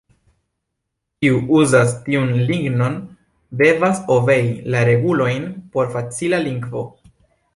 Kiu uzas tiun signon, devas obei la regulojn por facila lingvo.